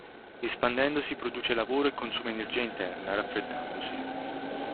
Espandendosi produce lavoro e consuma energia interna, raffreddandosi.